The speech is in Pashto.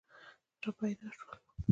را پیدا شول.